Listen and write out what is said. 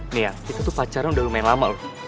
nia kita tuh pacaran udah lumayan lama loh